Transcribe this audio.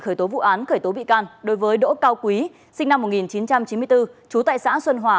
khởi tố vụ án khởi tố bị can đối với đỗ cao quý sinh năm một nghìn chín trăm chín mươi bốn trú tại xã xuân hòa